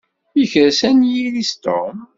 Yekres anyir-is Tom.